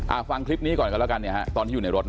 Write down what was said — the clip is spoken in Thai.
ฟังคลิปนี้ก่อนกันแล้วกันเนี่ยฮะตอนที่อยู่ในรถ